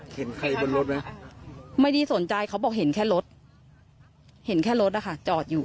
เห็นใครบนรถไหมไม่ได้สนใจเขาบอกเห็นแค่รถเห็นแค่รถนะคะจอดอยู่